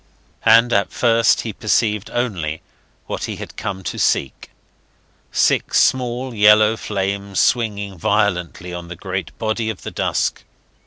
And at first he perceived only what he had come to seek: six small yellow flames swinging violently on the great body of the dusk.